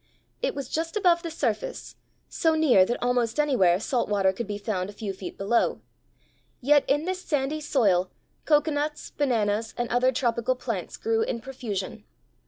It was just above the surface, so near that almost anywhere salt water could be found a few feet below; yet in this sandy soil cocoanuts, bananas, and other tropical plants grew in profusion.